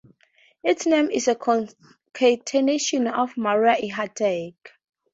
Its name is a concatenation of "Maria Ihatag".